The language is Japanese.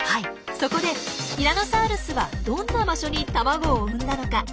そこでティラノサウルスはどんな場所に卵を産んだのか？